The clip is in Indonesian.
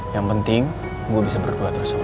yang penting gue bisa berdua terus sama lo